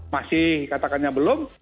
masih katakannya belum